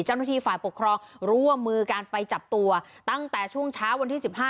เจ้าหน้าที่ฝ่ายปกครองร่วมมือการไปจับตัวตั้งแต่ช่วงเช้าวันที่๑๕